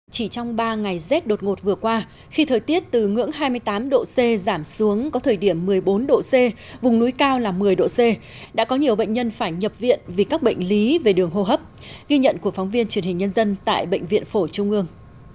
chỉ trong ba ngày rét đột ngột vừa qua khi thời tiết từ ngưỡng hai mươi tám độ c giảm xuống có thời điểm một mươi bốn độ c vùng núi cao là một mươi độ c đã có nhiều bệnh nhân phải nhập viện vì các bệnh lý về đường hô hấp ghi nhận của phóng viên truyền hình nhân dân tại bệnh viện phổi trung ương